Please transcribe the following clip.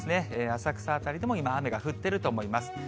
浅草辺りでも今、雨が降っていると思います。